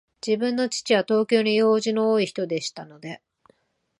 自分の父は、東京に用事の多いひとでしたので、